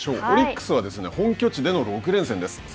オリックスは本拠地での６連戦です。